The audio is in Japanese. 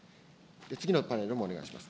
次のパネルもお願いします。